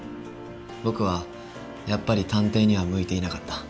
僕はやっぱり探偵には向いていなかった。